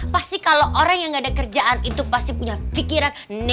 pasti kalau orang yang gak ada kerjaan itu pasti punya fitur yang lainnya